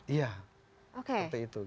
iya seperti itu